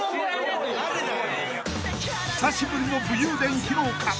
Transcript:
［久しぶりの武勇伝披露か？］